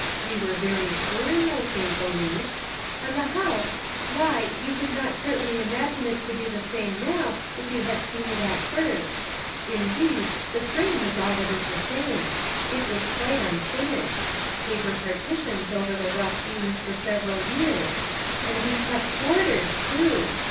We were very poor in those days, Elice ; and the house, why, you could not certainly imagine it to be the same now, if you had seen it at first ; indeed, the frame is all that is the same; it was quite unfinished: paper partitions over the rough beams for several years ; and we kept boarders, too